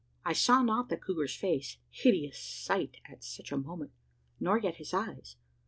I saw not the couguar's face hideous sight at such a moment nor yet his eyes.